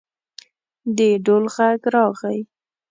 د ډول غږ راغی.